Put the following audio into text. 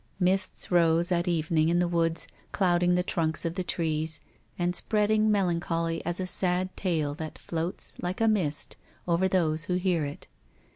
Mists rose at evening in the woods, clouding the trunks of the trees, and spreading melancholy as a sad tale that floats, like a mist, over those who hear it.